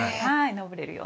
上れるように。